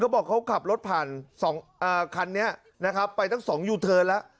บอกเขาขับรถผ่าน๒คันนี้นะครับไปตั้ง๒ยูเทิร์นแล้ว